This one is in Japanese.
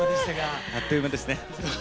あっという間でしたが。